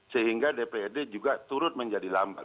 sehingga dprd juga turut menjadi lambat